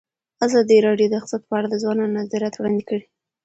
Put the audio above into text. ازادي راډیو د اقتصاد په اړه د ځوانانو نظریات وړاندې کړي.